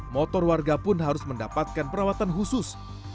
motor warga pun harus mendapatkan perawatan khusus